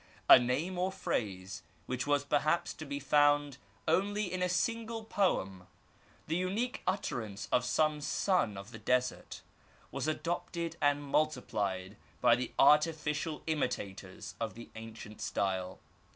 .A name or phrase, which was perhaps to be found only in a single poem, the unique utterance of some son of the desert, was adopted and multiplied by the artificial imitators of the ancient style.